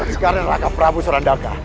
sekarang raka prabu sorandaka